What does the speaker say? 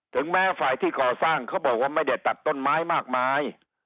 ถึงแม้ฝ่ายที่ก่อสร้างเขาบอกว่าไม่ได้ตัดต้นไม้มากมาย